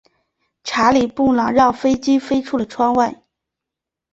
查理布朗让飞机飞出了窗外。